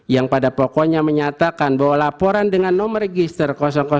yang pada pokoknya menyatakan bahwa laporan dengan nomor register